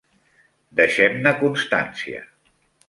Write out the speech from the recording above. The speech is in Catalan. Deixem-ne constància.